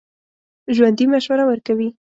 ژوندي مشوره ورکوي